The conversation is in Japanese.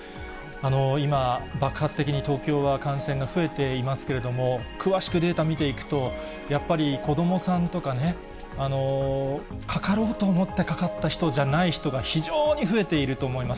今、爆発的に東京は感染が増えていますけれども、詳しくデータ見ていくと、やっぱり子どもさんとかね、かかろうと思ってかかった人じゃない人が非常に増えていると思います。